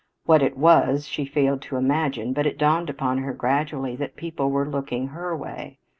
What it was she failed to imagine, but it dawned upon her gradually that people were looking her way.